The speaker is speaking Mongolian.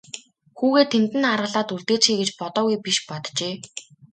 Хүүгээ тэнд нь аргалаад үлдээчихье гэж бодоогүй биш боджээ.